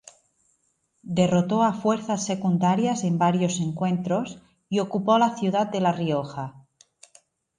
Derrotó a fuerzas secundarias en varios encuentros, y ocupó la ciudad de La Rioja.